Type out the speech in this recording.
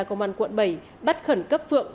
công an quận bảy bắt khẩn cấp phượng